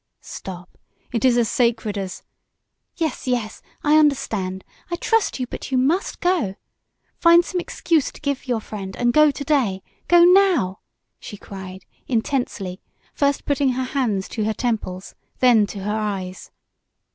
"Stop! It is as sacred as " "Yes, yes I understand! I trust you, but you must go! Find some excuse to give your friend and go to day! Go now!" she cried, intensely, first putting her hands to her temples, then to her eyes.